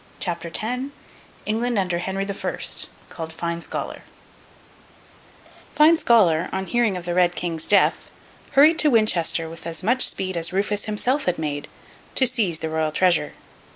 CHAPTER X ENGLAND UNDER HENRY THE FIRST, CALLED FINE SCHOLAR Fine scholar, on hearing of the Red King's death, hurried to Winchester with as much speed as Rufus himself had made, to seize the Royal treasure.